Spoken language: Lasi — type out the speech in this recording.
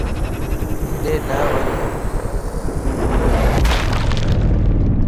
ھيڏي نھ وڃ